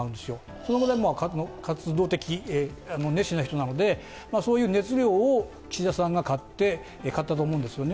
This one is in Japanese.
その面でも活動的、熱心な人なのでそういう熱量を岸田さんが買ったと思うんですよね。